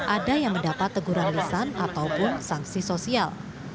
ada yang mendapat teguran lisan ataupun sanksi sosial